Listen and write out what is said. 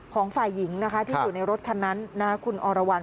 ฝ่ายหญิงนะคะที่อยู่ในรถคันนั้นคุณอรวรรณ